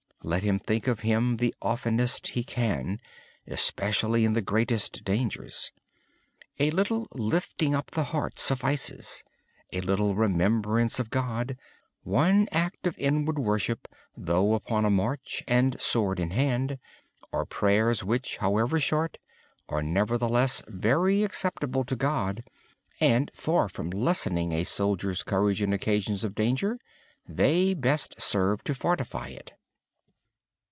Let him think of Him as much as he can, especially in time of great danger. A little lifting up of the heart and a remembrance of God suffices. One act of inward worship, though upon a march with sword in hand, are prayers which, however short, are nevertheless very acceptable to God. And, far from lessening a soldier's courage in occasions of danger, they actually serve to fortify it.